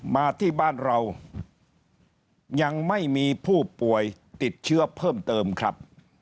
มาที่บ้านเรายังไม่มีผู้ป่วยติดเชื้อเพิ่มเติมครับ